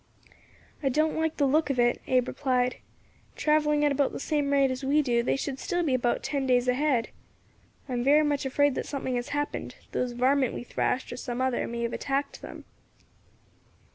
"I don't like the look of it," Abe replied. "Travelling at about the same rate as we do, they should still be about ten days ahead. I am very much afraid that something has happened; those varmint we thrashed, or some other, may have attacked them."